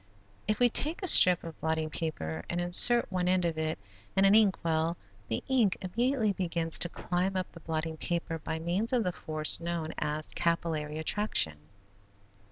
If we take a strip of blotting paper and insert one end of it in an ink well, the ink immediately begins to climb up the blotting paper by means of the force known as capillary attraction.